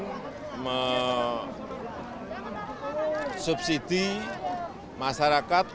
dan juga untuk memperbaiki subsidi masyarakat